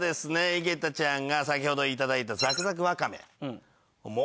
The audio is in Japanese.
井桁ちゃんが先ほど頂いたザクザクわかめ。